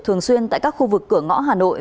thường xuyên tại các khu vực cửa ngõ hà nội